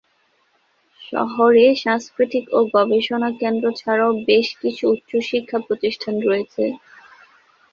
শহরে সাংস্কৃতিক ও গবেষণা কেন্দ্র ছাড়াও বেশ কিছু উচ্চশিক্ষা প্রতিষ্ঠান রয়েছে।